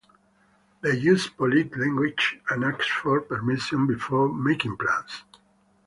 They use polite language and ask for permission before making plans.